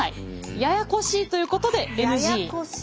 ややこしいということでＮＧ。